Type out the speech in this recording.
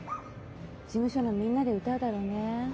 事務所のみんなで歌うだろうね。